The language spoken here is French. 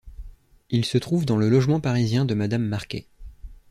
Il se trouve dans le logement parisien de madame Marquet.